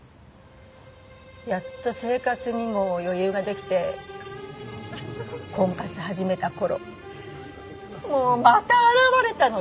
やっと生活にも余裕が出来て婚活始めた頃もうまた現れたのよ。